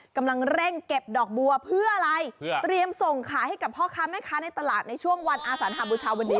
กำลังเร่งเก็บดอกบัวเพื่ออะไรเพื่อเตรียมส่งขายให้กับพ่อค้าแม่ค้าในตลาดในช่วงวันอาสันหาบูชาวันนี้